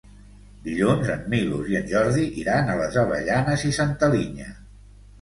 Dilluns en Milos i en Jordi iran a les Avellanes i Santa Linya.